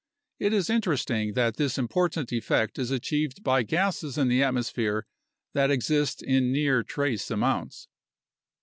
It is interesting that this important effect is achieved by gases in the at mosphere that exist in near trace amounts.